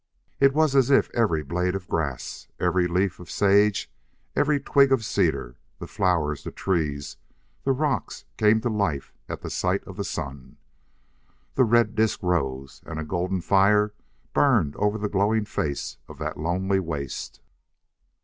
It was as if every blade of grass, every leaf of sage, every twig of cedar, the flowers, the trees, the rocks came to life at sight of the sun. The red disk rose, and a golden fire burned over the glowing face of that lonely waste.